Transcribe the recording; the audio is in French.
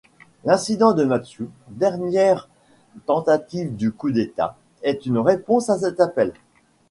L'incident de Matsue, dernière tentative de coup d'État, est une réponse à cet appel.